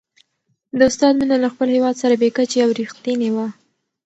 د استاد مینه له خپل هېواد سره بې کچې او رښتینې وه.